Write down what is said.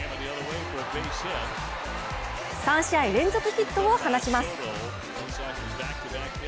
３試合連続ヒットを放ちます。